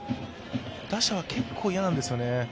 打者は結構嫌なんですよね。